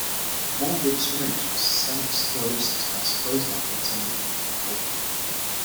Morphea discriminates from systemic sclerosis by its supposed lack of internal organ involvement.